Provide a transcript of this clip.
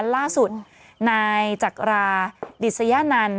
ล่าสุดนายจักราดิสยานันต์